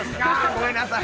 ◆ごめんなさい。